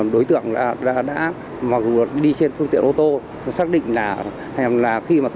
đối tượng đã khai nhận toàn bộ hành vi